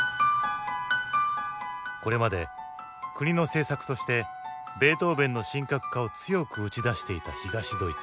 これまで国の政策としてベートーヴェンの神格化を強く打ち出していた東ドイツ。